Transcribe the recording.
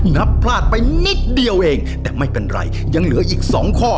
นับพลาดไปนิดเดียวเองแต่ไม่เป็นไรยังเหลืออีกสองข้อ